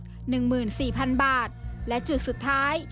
หนึ่งหมื่นสี่พันบาทและจุดสุดท้าย